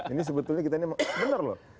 ini sebetulnya kita ini benar loh